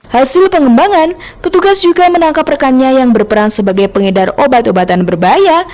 hasil pengembangan petugas juga menangkap rekannya yang berperan sebagai pengedar obat obatan berbahaya